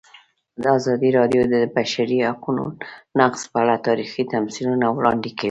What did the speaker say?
ازادي راډیو د د بشري حقونو نقض په اړه تاریخي تمثیلونه وړاندې کړي.